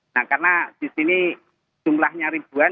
nah karena di sini jumlahnya ribuan